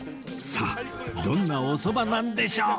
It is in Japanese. さあどんなおそばなんでしょう？